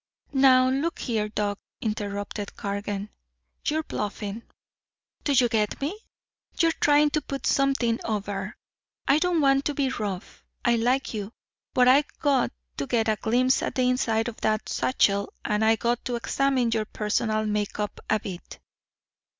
"Now look here, Doc," interrupted Cargan. "You're bluffing. Do you get me? You're trying to put something over. I don't want to be rough I like you but I got to get a glimpse at the inside of that satchel. And I got to examine your personal make up a bit."